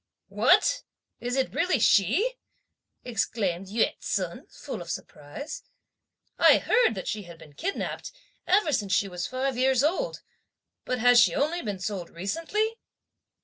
'" "What! is it really she?" exclaimed Yü ts'un full of surprise. "I heard that she had been kidnapped, ever since she was five years old; but has she only been sold recently?"